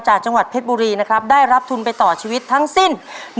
โยกการลดเผ็ดบุรีนะครับได้รับธุลไปต่อชีวิตทั้งสิ้น